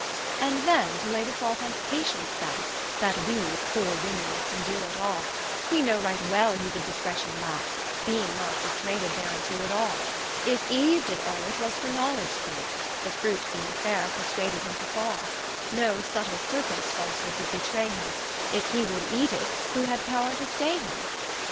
And then to lay the fault on Patience backe, That we (poore women) must endure it all; We know right well he did discretion lacke, Beeing not perswaded thereunto at all; If Eue did erre, it was for knowledge sake, The fruit beeing faire perswaded him to fall: No subtill Serpents falshood did betray him, If he would eate it, who had powre to stay him?